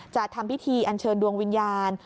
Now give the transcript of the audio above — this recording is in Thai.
จะทำพิธีอันเชิญดวงวิญญาณ